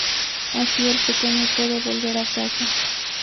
Así el pequeño puede volver a casa.